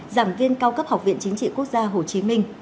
giảng viên cao cấp học viện chính trị quốc gia hồ chí minh